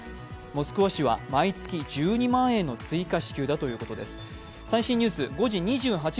モスクワ市は毎月１２万円の追加支給だということです。